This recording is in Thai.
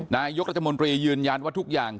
นายกรัฐมนตรียืนยันว่าทุกอย่าง